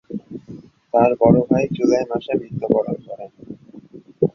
তার বড় ভাই জুলাই মাসে মৃত্যুবরণ করে।